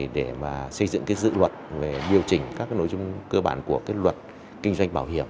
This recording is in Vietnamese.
để mà xây dựng dự luật về điều chỉnh các nội dung cơ bản của luật kinh doanh bảo hiểm